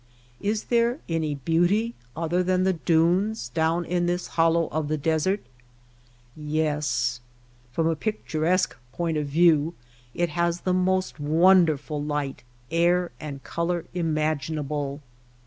Is there any beauty, other than the dunes, THE BOTTOM OF THE BOWL 65 down in this hollow of the desert ? Yes. From a picturesque point of view it has the most wonderful light, air, and color imaginable.